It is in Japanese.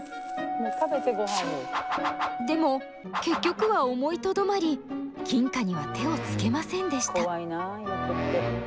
でも結局は思いとどまり金貨には手をつけませんでした。